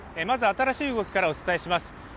まず新しい動きからお伝えします。